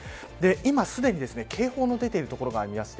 今すでに警報の出ている所があります。